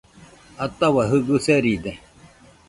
Atahua Jɨgɨ seride